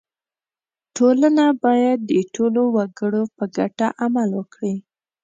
• ټولنه باید د ټولو وګړو په ګټه عمل وکړي.